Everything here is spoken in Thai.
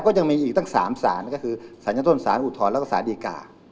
ก็ยังมีอีกตั้ง๓สารก็คือสารชั้นต้นสารอุทธรณ์แล้วก็สารดีกา